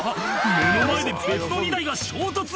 目の前で別の２台が衝突！